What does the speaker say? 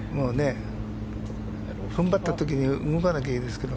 踏ん張った時に動かなきゃいいですけど。